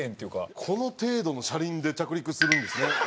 この程度の車輪で着陸するんですね。